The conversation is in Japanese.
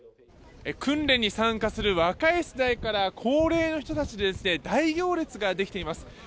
「訓練に参加する若い世代から高齢の人たちで大行列が出来ています。